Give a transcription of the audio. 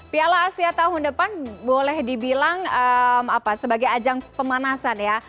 piala asia tahun depan boleh dibilang sebagai ajang pemanasan ya